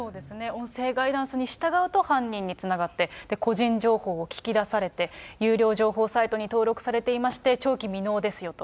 音声ガイダンスに従うと犯人につながって、個人情報を聞き出されて、有料情報サイトに登録されていまして、長期未納ですよと。